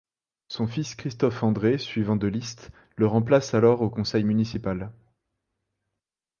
Son fils Christophe André, suivant de liste, le remplace alors au conseil municipal.